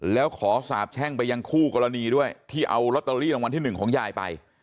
แล้วขอสาบแช่งไปยังคู่กรณีด้วยที่เอาลอตเตอรี่รางวัลที่๑ของยายไป